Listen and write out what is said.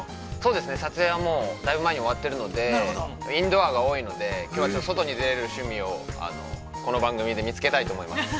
◆撮影は大分前に終わっているので、インドアが多いので、きょうは外に出れる趣味をこの番組で見つけたいと思います。